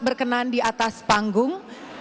berkenan di atas panggung